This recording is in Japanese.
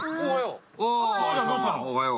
おはよう！